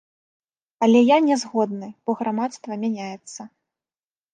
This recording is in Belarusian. Але я нязгодны, бо грамадства мяняецца.